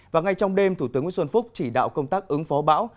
và ngay trong đêm thủ tướng nguyễn xuân phúc chỉ đạo công tác ứng phó bão